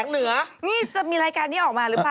เหนือนี่จะมีรายการนี้ออกมาหรือเปล่า